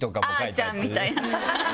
「あーちゃん」みたいな。